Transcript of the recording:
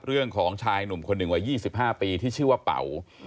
เรื่องของชายหนุ่มคนหนึ่งวัย๒๕ปีที่ชื่อว่าเป่า